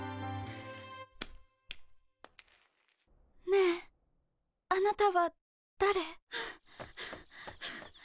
ねえ、あなたは誰？